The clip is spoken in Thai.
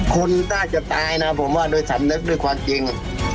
คนน่าจะตายนะผมว่าโดยสำนึกด้วยความจริง